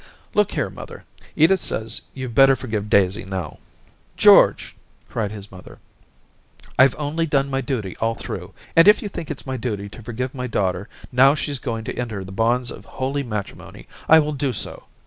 ' Look here, mother, Edith says you'd better forgive Daisy now.* ' George,* cried his mother, ' I *ve only done my duty all through, and if you think it's my duty to forgive my daughter now she's going to enter the bonds of holy matrimony, I will do so.